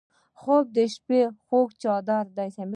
خوب د شپه خوږ څادر دی